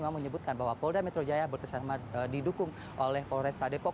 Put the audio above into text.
memang menyebutkan bahwa polda metro jaya bekerjasama didukung oleh polresta depok